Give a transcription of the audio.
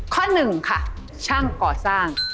ข้อหนึ่งค่ะช่างก่อสร้าง